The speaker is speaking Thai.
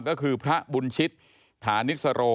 ก็คือพระบุญชิตฐานิสโร